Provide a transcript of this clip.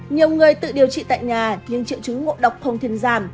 nhiều người tự điều trị tại nhà nhưng triệu chứng ngộ độc không thuyền giảm